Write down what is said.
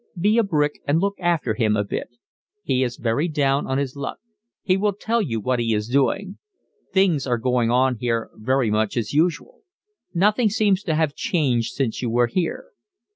Be a brick and look after him a bit. He is very down on his luck. He will tell you what he is doing. Things are going on here very much as usual. Nothing seems to have changed since you were here.